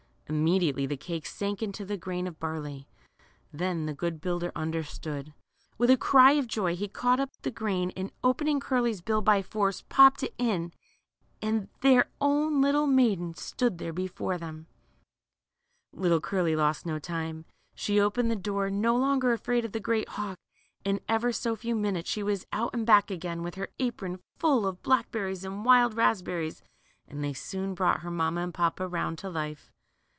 Immediately the cake sank again into the grain of barley. Then the good builder understood. With a cry of joy he caught up the grain, and open ing Curly's bill by force, popped it in, and — their own little maiden stood there before them ! Little Cu^ly lost no time. She opened the door, no longer afraid of the great hawk, and in ever so few minutes she was out and back again with her apron full of blackberries and wild raspberries, and they soon brought her mamma and papa round to life.